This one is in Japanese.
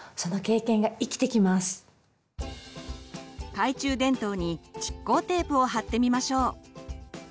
懐中電灯に蓄光テープを貼ってみましょう。